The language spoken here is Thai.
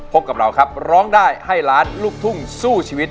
พบกับเราครับร้องได้ให้ล้านลูกทุ่งสู้ชีวิต